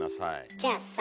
じゃあさ